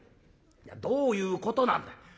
いやどういうことなんだ」。